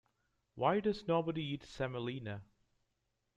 Why does nobody eat semolina?